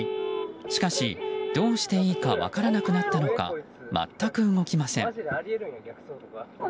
しかし、どうしていいか分からなくなったのか全く動きません。